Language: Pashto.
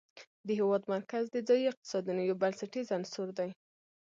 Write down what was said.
د هېواد مرکز د ځایي اقتصادونو یو بنسټیز عنصر دی.